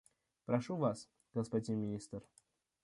Прошу Вас, господин Министр.